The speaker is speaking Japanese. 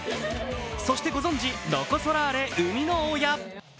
そしてご存じ、ロコ・ソラーレ生みの親